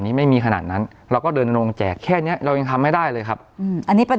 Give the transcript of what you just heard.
ที่พี่บอกว่าคนลงก็ลงไปใช่ไหม